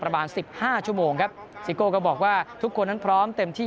ประมาณสิบห้าชั่วโมงครับซิโก้ก็บอกว่าทุกคนนั้นพร้อมเต็มที่